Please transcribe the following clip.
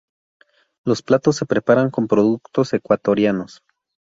Los platos se preparan con productos ecuatorianos.